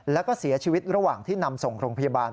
แล้วก็เสียชีวิตระหว่างที่นำส่งโรงพยาบาล